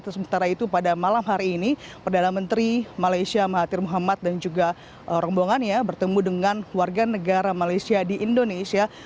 sementara itu pada malam hari ini perdana menteri malaysia mahathir muhammad dan juga rombongannya bertemu dengan warga negara malaysia di indonesia